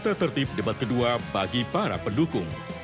tata tertib debat kedua bagi para pendukung